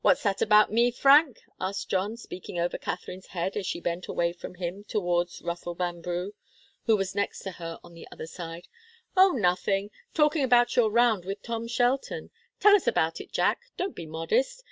"What's that about me, Frank?" asked John, speaking over Katharine's head as she bent away from him towards Russell Vanbrugh, who was next to her on the other side. "Oh, nothing talking about your round with Tom Shelton. Tell us all about it, Jack. Don't be modest.